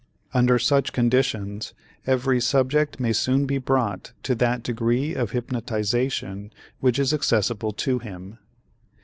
Under such conditions every subject may soon be brought to that degree of hypnotization which is accessible to him.